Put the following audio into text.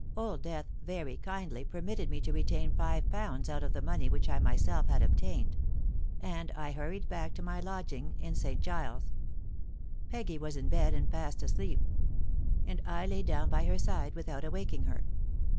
Old Death very kindly permitted me to retain five pounds out of the money which I myself had obtained; and I hurried back to my lodging in St. Giles's. Peggy was in bed and fast asleep; and I lay down by her side without awaking her.